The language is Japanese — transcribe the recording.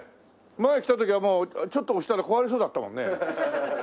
前来た時はもうちょっと押したら壊れそうだったもんね。